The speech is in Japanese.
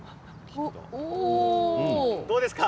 どうですか？